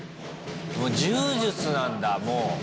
もう柔術なんだもう。